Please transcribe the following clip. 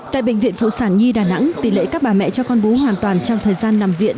tại bệnh viện phụ sản nhi đà nẵng tỷ lệ các bà mẹ cho con bú hoàn toàn trong thời gian nằm viện